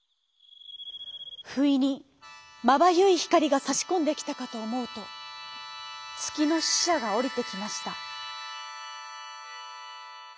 ふいにまばゆいひかりがさしこんできたかとおもうとつきのししゃがおりてきました。